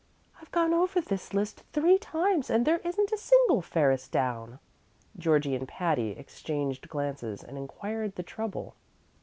"I've gone over this list three times, and there isn't a single Ferris down." Georgie and Patty exchanged glances and inquired the trouble.